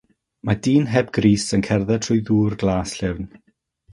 Mae dyn heb grys yn cerdded trwy ddŵr glas llyfn.